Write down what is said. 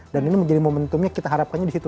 dan ini menjadi momentumnya kita harapkannya di situ